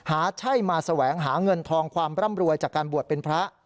ใช่มาแสวงหาเงินทองความร่ำรวยจากการบวชเป็นพระ